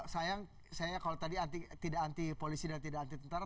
sayang saya kalau tadi tidak anti polisi dan tidak anti tentara